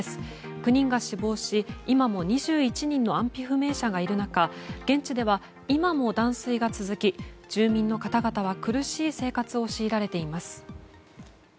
９人が死亡し、今も２１人の安否不明者がいる中現地では今も断水が続き住民の方々は苦しい生活を強いられています。